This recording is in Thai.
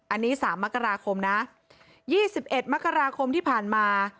อันนี้๓มกราคมนะ๒๑มกราคมที่ผ่านมา